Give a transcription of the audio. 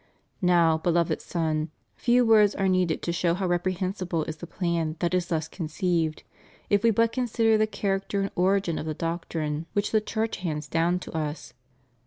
Now, Beloved Son, few words are needed to show how reprehensible is the plan that is thus conceived, if we but consider the char acter and origin of the doctrine which the Church hands down to us.